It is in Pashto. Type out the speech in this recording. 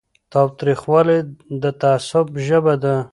تاوتریخوالی د تعصب ژبه ده